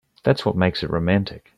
That's what makes it romantic.